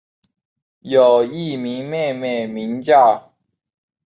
有一位妹妹名叫。